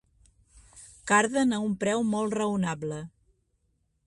Carden a un preu molt raonable.